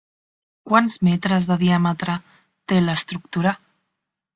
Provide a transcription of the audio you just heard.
Quants metres de diàmetre té l'estructura?